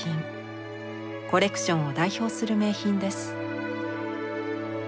コレクションを代表する名品です。